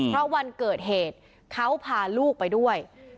เพราะวันเกิดเหตุเขาพาลูกไปด้วย